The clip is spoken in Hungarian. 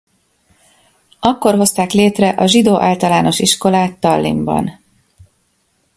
Akkor hozták létre a zsidó általános iskolát Tallinnban.